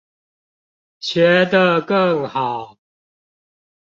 學得更好